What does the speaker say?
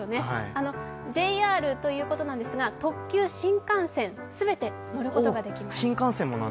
ＪＲということなんですが、特急、新幹線、全て乗ることができます。